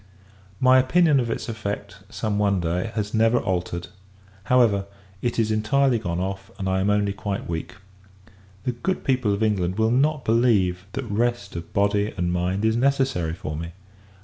My opinion of its effect, some one day, has never altered. However, it is entirely gone off, and I am only quite weak. The good people of England will not believe, that rest of body and mind is necessary for me!